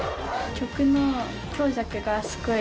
曲の強弱がすごい。